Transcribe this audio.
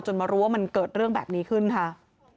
มารู้ว่ามันเกิดเรื่องแบบนี้ขึ้นค่ะ